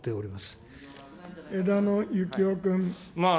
枝野幸男君。